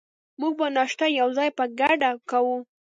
موږ به ناشته یوځای په ګډه کوو.